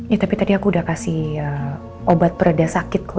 ya tapi tadi aku udah kasih obat pereda sakit kok